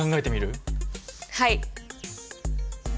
はい。